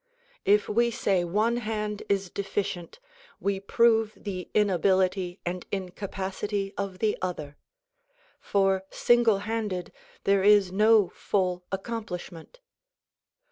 If we say one hand is deficient we prove the inability and incapacity of the other; for single handed there is no full accomplishment.